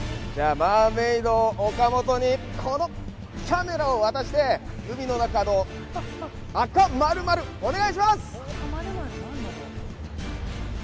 マーメイド岡本に、このキャメラを渡して海の中の赤○○、お願いします！